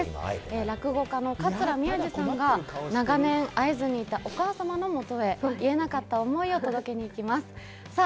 落語家の桂宮治さんが長年会えずにいたお母様の元へ、言えなかった思いを届けに行きます。